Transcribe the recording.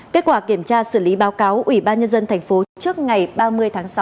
kết quả kiểm tra xử lý báo cáo ubnd tp trước ngày ba mươi tháng sáu